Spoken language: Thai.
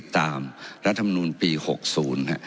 ตามรัฐมนุนปี๖๐นะฮะ